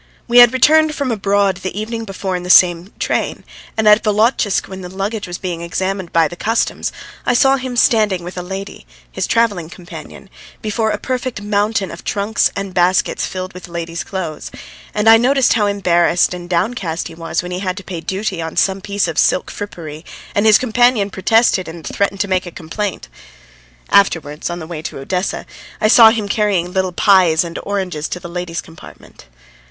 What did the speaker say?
We had returned from abroad the evening before in the same train, and at Volotchisk when the luggage was being examined by the Customs, I saw him standing with a lady, his travelling companion, before a perfect mountain of trunks and baskets filled with ladies' clothes, and I noticed how embarrassed and downcast he was when he had to pay duty on some piece of silk frippery, and his companion protested and threatened to make a complaint. Afterwards, on the way to Odessa, I saw him carrying little pies and oranges to the ladies' compartment.